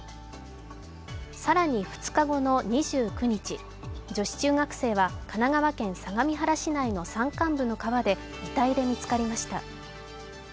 更に２日後の２９日、女子中学生は神奈川県相模原市内の山間部の川で遺体で見つかりました。